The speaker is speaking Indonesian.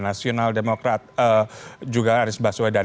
nasional demokrat juga anies baswedan